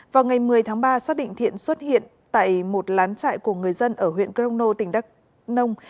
vào ngày một mươi tháng ba xác định thiện xuất hiện tại một lán trại của người dân ở huyện crono tỉnh đắk nông